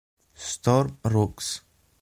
Storm Roux